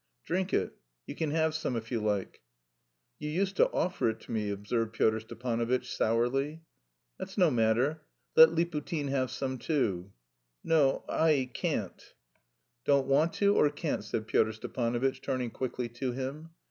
"Drink it. You can have some if you like." "You used to offer it to me," observed Pyotr Stepanovitch sourly. "That's no matter. Let Liputin have some too." "No, I... can't." "Don't want to or can't?" said Pyotr Stepanovitch, turning quickly to him.